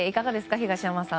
東山さん